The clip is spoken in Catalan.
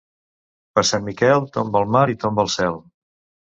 Per Sant Miquel, tomba el mar i tomba el cel.